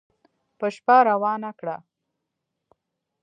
په شپه روانه کړه